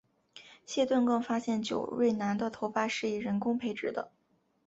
谢顿更发现久瑞南的头发是以人工培植的。